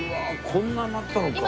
こんなになったのか。